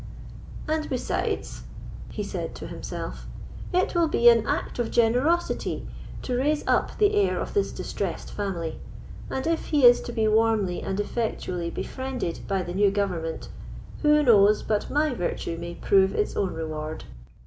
"And besides," said he to himself, "it will be an act of generosity to raise up the heir of this distressed family; and if he is to be warmly and effectually befriended by the new government, who knows but my virtue may prove its own reward?"